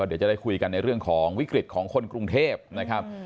เดี๋ยวจะได้คุยกันในเรื่องของวิกฤตของคนกรุงเทพนะครับ